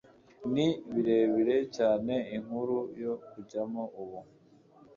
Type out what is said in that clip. Ni birebire cyane inkuru yo kujyamo ubu